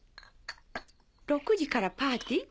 ６時からパーティー？